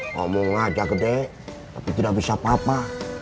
ngomong aja gede tapi tidak bisa apa apa